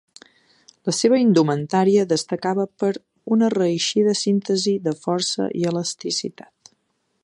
La seva indumentària destacava per una reeixida síntesi de força i elasticitat.